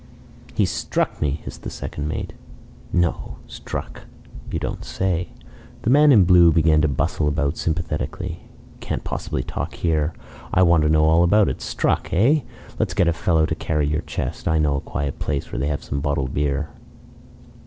"He struck me," hissed the second mate. "No! Struck! You don't say?" The man in blue began to bustle about sympathetically. "Can't possibly talk here. I want to know all about it. Struck eh? Let's get a fellow to carry your chest. I know a quiet place where they have some bottled beer.